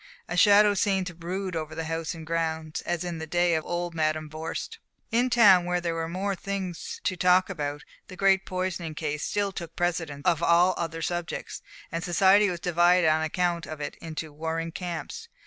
A shadow seemed to brood over house and grounds, as in the day of old Madam Van Vorst. In town, where there were more things to talk about, the great poisoning case still took precedence of all other subjects, and society was divided on account of it into warring camps.